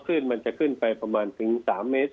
คลื่นมันจะขึ้นไปประมาณถึงสามเมตร